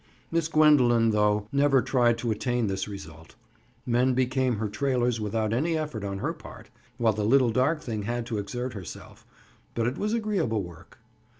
Miss Gwendoline, though, never tried to attain this result. Men became her trailers without any effort on her part, while the little dark thing had to exert herself, but it was agreeable work.